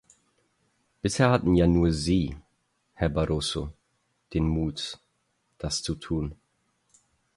Bisher hatten ja nur Sie, Herr Barroso, den Mut, das zu tun.